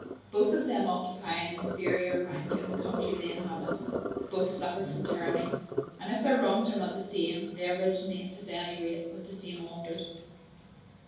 Both of them occupy an inferior rank in the country they inhabit; both suffer from tyranny; and if their wrongs are not the same, they originate, at any rate, with the same authors.